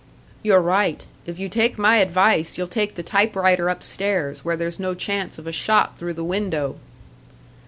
"You're right. If you take my advice, you'll take the typewriter upstairs, where there's no chance of a shot through the window."